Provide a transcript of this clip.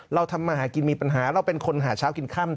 เราทำมาหากินมีปัญหาเราเป็นคนหาเช้ากินค่ำ